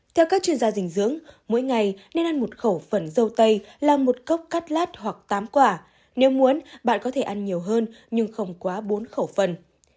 theo các chuyên gia dinh dưỡng mỗi ngày nên ăn một khẩu phần dâu tây là một cốc cắt lát hoặc tám quả nếu muốn bạn có thể ăn nhiều hơn nhưng không quá bốn khẩu phần